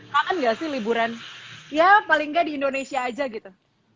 kan enggak sih liburan ya paling enggak di indonesia aja gitu